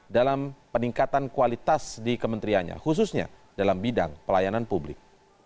dalam peningkatan kualitas di kementeriannya khususnya dalam bidang pelayanan publik